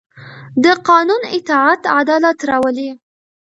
د قانون اطاعت عدالت راولي